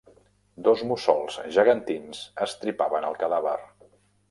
Dos mussols gegantins estripaven el cadàver.